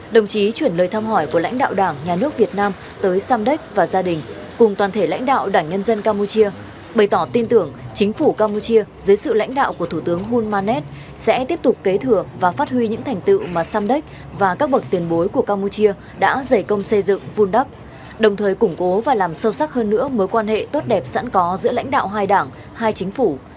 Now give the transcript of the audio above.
đồng chí chuyển lời thăm hỏi của lãnh đạo đảng nhà nước việt nam tới samdek và gia đình cùng toàn thể lãnh đạo đảng nhân dân campuchia bày tỏ tin tưởng chính phủ campuchia dưới sự lãnh đạo của thủ tướng hun manet sẽ tiếp tục kế thừa và phát huy những thành tựu mà samdek và các bậc tiền bối của campuchia đã giải công xây dựng vun đắp đồng thời củng cố và làm sâu sắc hơn nữa mối quan hệ tốt đẹp sẵn có giữa lãnh đạo hai đảng hai chính phủ